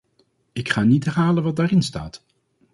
Ik ga niet herhalen wat daar in staat.